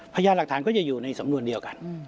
พยานหลักฐานก็จะอยู่ในสำนวนเดียวกัน